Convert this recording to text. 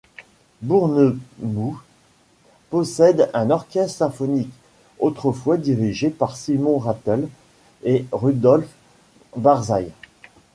Bournemouth possède un orchestre symphonique, autrefois dirigé par Simon Rattle et Rudolf Barshaï.